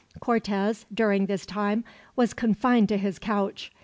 Cortez, during this time, was confined to his couch.